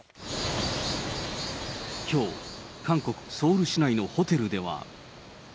きょう、韓国・ソウル市内のホテルでは。